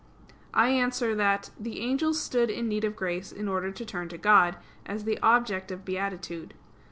I answer that, The angels stood in need of grace in order to turn to God, as the object of beatitude.